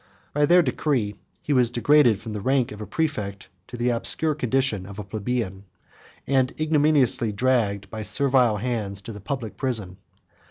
By their decree, he was degraded from the rank of a præfect to the obscure condition of a plebeian, and ignominiously dragged by servile hands to the public prison.